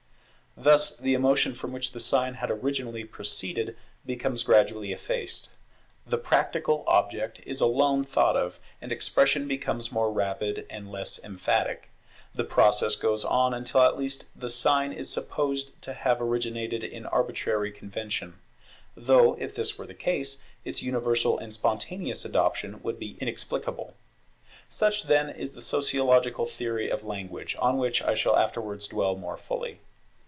Thus the emotion from which the sign had originally proceeded becomes gradually effaced; the practical object is alone thought of, and expression becomes more rapid and less emphatic. The process goes on until at last the sign is supposed to have originated in arbitrary convention; though, if this were the case, its universal and spontaneous adoption would be inexplicable. Such, then, is the sociological theory of Language, on which I shall afterwards dwell more fully.